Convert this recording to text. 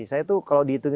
saya tuh kalau di itu nanti